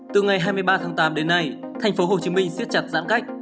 từ ngày hai mươi ba tháng tám đến nay thành phố hồ chí minh siết chặt giãn cách